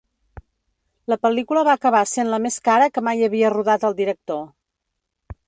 La pel·lícula va acabar sent la més cara que mai havia rodat el director.